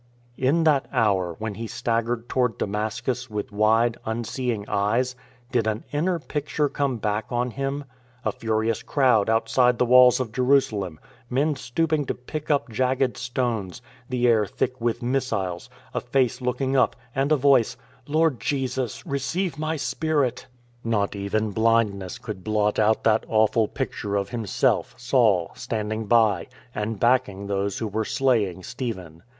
In that hour when he staggered toward Damascus with wide, unseeing eyes, did an inner picture come back on him? — a furious crowd outside the walls of Jerusalem; men stooping to pick up jagged stones, the air thick with missiles, a face looking up and a voice, " Lord Jesus, receive my spirit." Not even 82 IN TRAINING blindness could blot out that awful picture of him self, Saul, standing by, and backing those who were slaying Stephen.